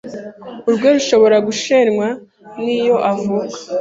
Urwe rushobora gusenywa n’iyo avuka